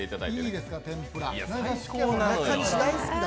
いいですか、天ぷら。